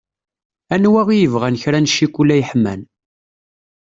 Anwa i yebɣan kra n cikula yeḥman.